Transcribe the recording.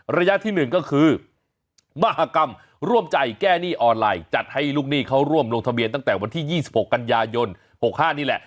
ระยะที่๑ก็คือมหากรรมร่วมใจแก้หนี้ออนไลน์จัดให้ลูกหนี้เขาร่วมลงทะเบียนตั้งแต่วันที่๒๖กันยายน๖๕นี่แหละ